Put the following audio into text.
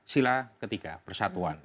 sila ketiga persatuan